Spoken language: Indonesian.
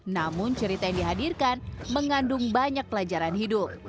namun cerita yang dihadirkan mengandung banyak pelajaran hidup